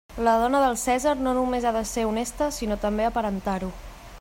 La dona del cèsar no només ha de ser honesta sinó també aparentar-ho.